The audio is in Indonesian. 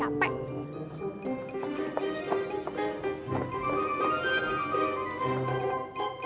sampai jumpa lagi